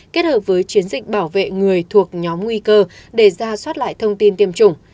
kết hợp với chiến dịch bảo vệ người thuộc nhóm nguy cơ để ra soát lại thông tin tiêm chủng